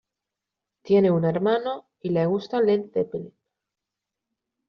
Tiene un hermano y le gusta Led Zeppelin.